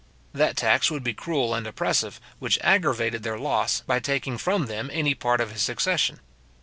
That tax would be cruel and oppressive, which aggravated their loss, by taking from them any part of his succession.